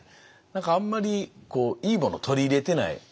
何かあんまりいいものを取り入れてない。